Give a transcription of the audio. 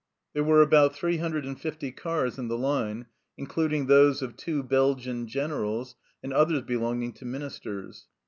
There were about three hundred and fifty cars in the line, including those of two Belgian Generals and others belonging to Ministers.